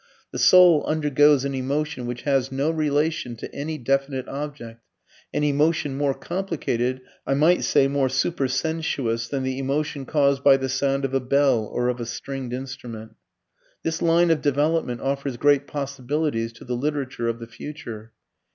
The soul undergoes an emotion which has no relation to any definite object, an emotion more complicated, I might say more super sensuous than the emotion caused by the sound of a bell or of a stringed instrument. This line of development offers great possibilities to the literature of the future.